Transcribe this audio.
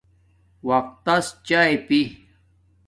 وقت تس چاݵے پی